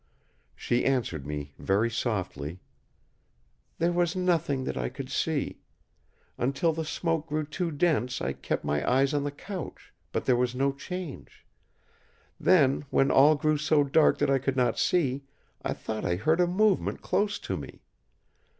She answered me very softly: "There was nothing that I could see. Until the smoke grew too dense I kept my eyes on the couch, but there was no change. Then, when all grew so dark that I could not see, I thought I heard a movement close to me.